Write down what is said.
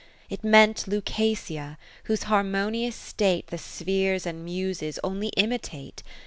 It meant Lucasia, whose harmonious state The Spheres and Muses only imitate.